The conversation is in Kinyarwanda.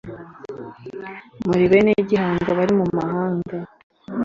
muri bene gihanga bari mu mahanga